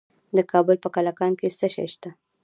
د کابل په کلکان کې څه شی شته؟